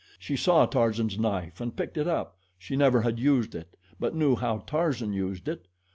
She saw Tarzan's knife and picked it up. She never had used it, but knew how Tarzan used it.